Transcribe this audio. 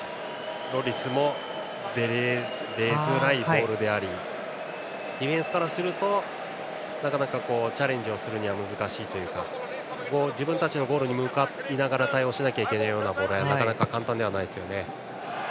ロリスも出づらいボールでありディフェンスからするとなかなかチャレンジするには難しいというか自分たちのゴールに向かいながら対応しなければいけないボールはなかなか簡単ではないですね。